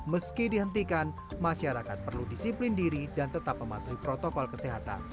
meski dihentikan masyarakat perlu disiplin diri dan tetap mematuhi protokol kesehatan